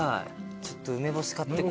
ちょっと梅干し買ってこ。